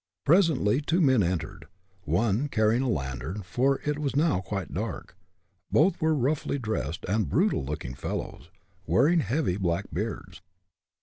Presently two men entered, one carrying a lantern, for it was now quite dark. Both were roughly dressed and brutal looking fellows, wearing heavy black beards.